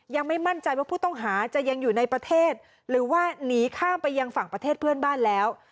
ยังไม่มั่นใจว่าผู้ต้องหาจะยังอยู่ในประเทศหรือว่าหนีข้ามไปยังฝั่งประเทศเพื่อนบ้านแล้ว